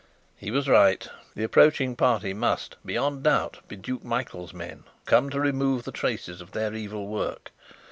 He was right. The approaching party must, beyond doubt, be Duke Michael's men, come to remove the traces of their evil work.